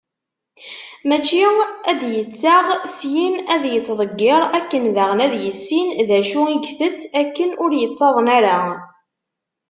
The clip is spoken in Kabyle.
Mačči ad d-yettaɣ, syin ad yettḍeggir, akken daɣen ad yissin d acu i itett akken ur yettaḍen ara.